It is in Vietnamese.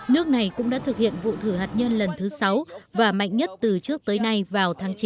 nước này cũng đã thực hiện vụ thử hạt nhân lần thứ sáu và mạnh nhất từ trước tới nay vào tháng chín